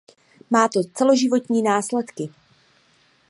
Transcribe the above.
Ta má celoživotní následky.